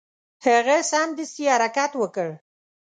هغه سمدستي حرکت وکړ.